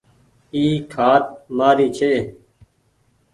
اي کآٽ مآري ڇي۔